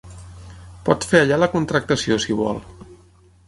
Pot fer allà la contractació si vol.